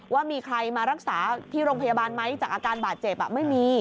ว่ามีใครมารักษาที่โรงพยาบาลไหมจากอาการบาดเจ็บไม่มี